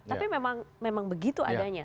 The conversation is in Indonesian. tapi memang begitu adanya